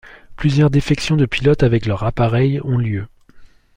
Plusieurs défections de pilotes avec leurs appareils ont lieu.